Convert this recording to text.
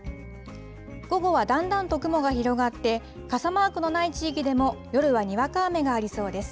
午後はだんだんと雲が広がって、傘マークのない地域でも夜はにわか雨がありそうです。